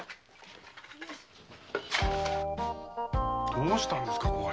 どうしたんですか？